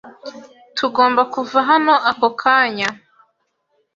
Tugomba kuva hano ako kanya.